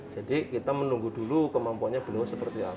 jadi kita menunggu dulu kemampuannya beliau seperti apa